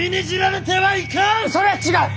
そりゃあ違う！